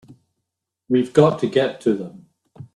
We've got to get to them!